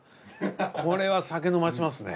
これは酒飲ましますね。